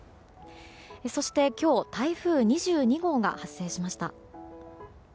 そして、今日台風２２号が発生しました。